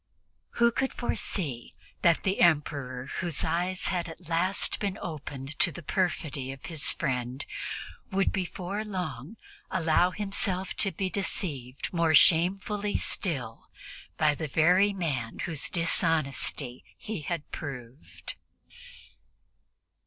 Who could foresee that the Emperor, whose eyes were at last opened to the perfidy of his friend, would before long allow himself to be deceived more shamefully still by the very man whose dishonesty he had proved?